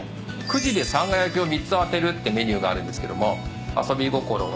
くじでさんが焼きを３つ当てるってメニューがあるんですけども遊び心をね